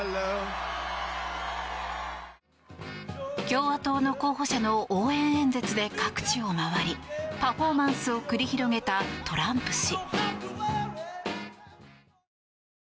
共和党の候補者の応援演説で各地を回りパフォーマンスを繰り広げたトランプ氏。